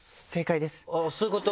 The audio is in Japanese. そういうこと？